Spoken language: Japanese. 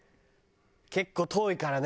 結構遠いからね